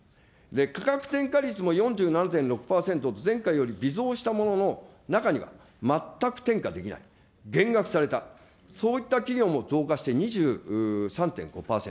価格転嫁率も％と前回より微増したものの、中には全く転嫁できない、減額された、そういった企業も増加して２３．５％。